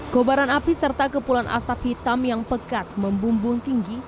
kobaran api serta kepulan asap hitam yang pekat membumbung tinggi